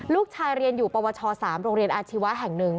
ลูกชายเรียนอยู่ปวช๓โรงเรียนอาชีวะแห่ง๑